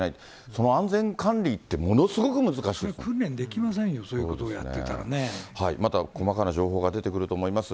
その安全管理って、ものすごく難訓練できませんよ、そういうまた、細かな情報が出てくると思います。